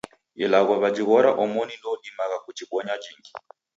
Ilagho wajighora omoni ndoudimagha kujibonya jingi.